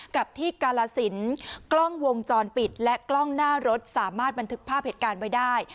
กับที่กาลสินกล้องวงจรปิดและกล้องหน้ารถสามารถบันทึกภาพเหตุการณ์ไว้ได้